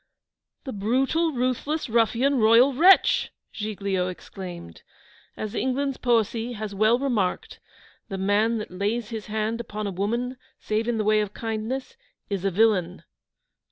'The brutal ruthless ruffian royal wretch!' Giglio exclaimed. 'As England's poesy has well remarked, "The man that lays his hand upon a woman, save in the way of kindness, is a villain."